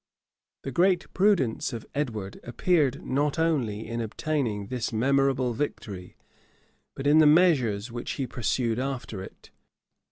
The great prudence of Edward appeared not only in obtaining this memorable victory, but in the measures which he pursued after it.